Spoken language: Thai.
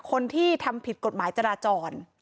คนที่ทำผิดกฎหมายจราจร